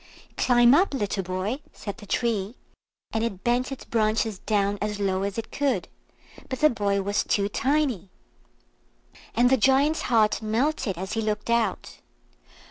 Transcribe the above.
"Climb up! little boy," said the Tree, and it bent its branches down as low as it could; but the boy was too tiny. And the Giant's heart melted as he looked out.